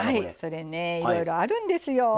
それねいろいろあるんですよ。